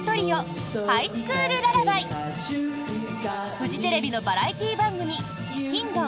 フジテレビのバラエティー番組「欽ドン！